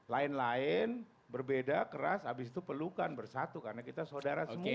lain lain berbeda keras abis itu pelukan bersatu karena kita saudara semua